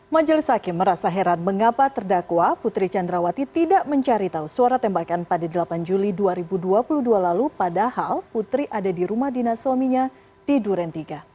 majelis hakim merasa heran mengapa terdakwa putri candrawati tidak mencari tahu suara tembakan pada delapan juli dua ribu dua puluh dua lalu padahal putri ada di rumah dinas suaminya di duren tiga